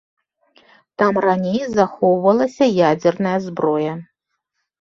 Там раней захоўвалася ядзерная зброя.